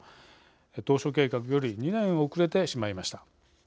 当初計画より２年遅れてしまいました。